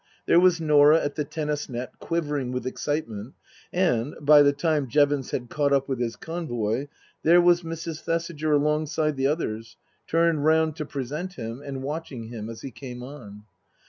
There was Norah Book II : Her Book 133 at the tennis net quivering with excitement, and (by the time Jevons had caught up with his convoy) there was Mrs. Thesiger alongside the others, turned round to present him, and watching him as he came on.